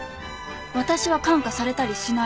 私は感化されたりしない。